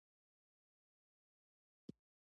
متني نقد آخري سند وړاندي کوي.